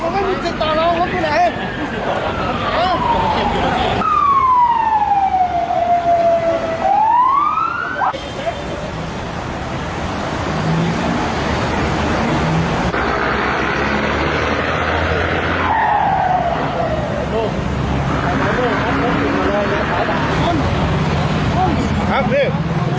มีสินต่อแล้ว